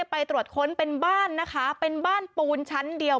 ไปตรวจค้นเป็นบ้านนะคะเป็นบ้านปูนชั้นเดียว